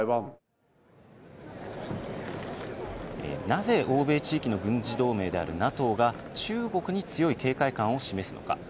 なぜ欧米地域の軍事同盟であるＮＡＴＯが、中国に強い警戒感を示すのか。